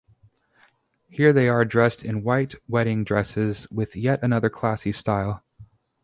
Here they are dressed in white wedding dresses with yet another classy style.